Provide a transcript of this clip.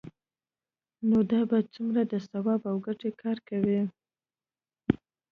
نو دا به څومره د ثواب او ګټې کار وي؟